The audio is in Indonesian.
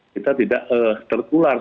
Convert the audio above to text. kita tidak terkuduk